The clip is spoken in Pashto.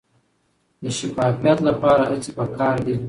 د شفافیت لپاره هڅې پکار دي.